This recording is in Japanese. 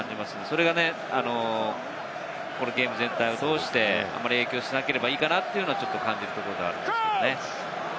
それがこのゲーム全体を通して影響しなければいいかなと感じるところではありますね。